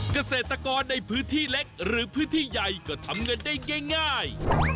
เกษตรกรในพื้นที่เล็กหรือพื้นที่ใหญ่ก็ทำเงินได้ง่าย